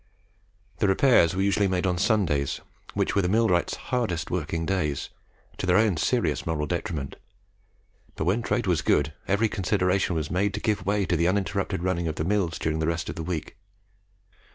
The repairs were usually made on Sundays, which were the millwrights' hardest working days, to their own serious moral detriment; but when trade was good, every consideration was made to give way to the uninterrupted running of the mills during the rest of the week.